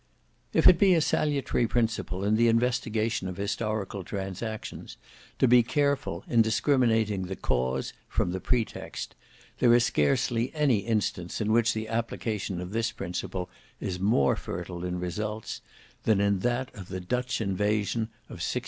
If it be a salutary principle in the investigation of historical transactions to be careful in discriminating the cause from the pretext, there is scarcely any instance in which the application of this principle is more fertile in results, than in that of the Dutch invasion of 1688.